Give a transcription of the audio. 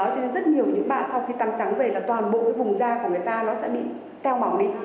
cho nên rất nhiều những bạn sau khi tăm trắng về là toàn bộ cái vùng da của người ta nó sẽ bị teo bỏng đi